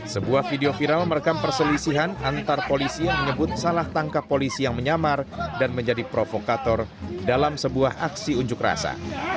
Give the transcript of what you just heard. sebuah video viral merekam perselisihan antar polisi yang menyebut salah tangkap polisi yang menyamar dan menjadi provokator dalam sebuah aksi unjuk rasa